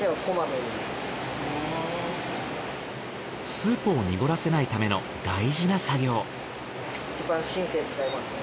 スープを濁らせないための大事な作業。